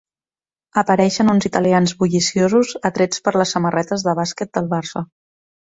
Apareixen uns italians bulliciosos atrets per les samarretes de bàsquet del Barça.